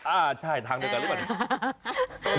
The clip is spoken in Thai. อ่าใช่ทางเดียวกันหรือเปล่าเนี่ย